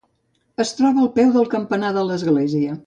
es troba al peu del campanar de l'església